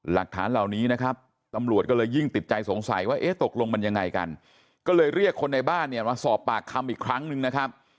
หลักฐานเหล่านี้นะครับตำรวจก็เลยยิ่งติดใจสงสัยว่าเอ๊ะตกลงมันยังไงกันก็เลยเรียกคนในบ้านเนี่ยมาสอบปากคำอีกครั้งนึงนะครับ